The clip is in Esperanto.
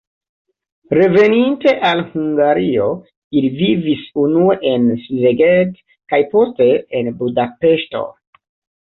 Reveninte al Hungario, ili vivis unue en Szeged kaj poste en Budapeŝto.